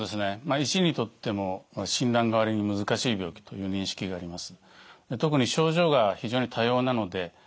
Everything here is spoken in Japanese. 医師にとっても診断が割に難しい病気という認識があります。